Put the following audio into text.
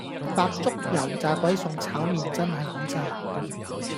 白粥油炸鬼送炒麵真係好正